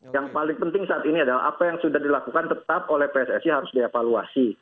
yang paling penting saat ini adalah apa yang sudah dilakukan tetap oleh pssi harus dievaluasi